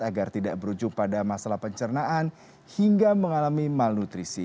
agar tidak berujung pada masalah pencernaan hingga mengalami malnutrisi